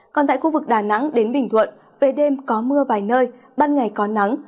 còn tại khu vực đà nẵng đến bình thuận về đêm có mưa vài nơi ban ngày có nắng